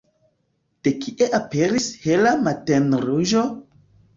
De kie aperis hela matenruĝo?